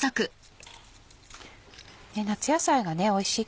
夏野菜がおいしい